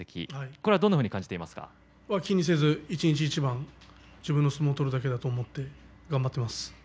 これはどんなふうに気にせず一日一番自分の相撲を取るだけだと思って頑張っています。